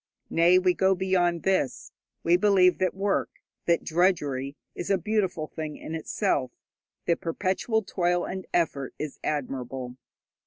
Nay, we go beyond this: we believe that work, that drudgery, is a beautiful thing in itself, that perpetual toil and effort is admirable.